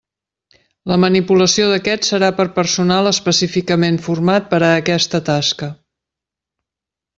La manipulació d'aquests serà per personal específicament format per a aquesta tasca.